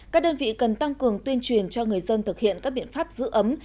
các đơn vị cần tăng cường tuyên truyền cho người dân thực hiện các biện pháp giữ ấm